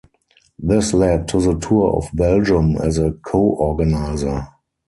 This led to the Tour of Belgium as a co-organiser.